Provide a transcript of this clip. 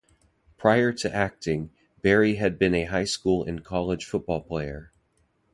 Prior to acting, Barry had been a high school and college football player.